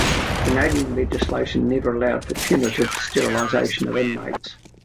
Canadian legislation never allowed for punitive sterilization of inmates.